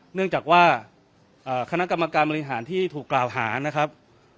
เนื่องจากว่าคณะกรรมการบริหารที่ถูกกล่าวหานะครับ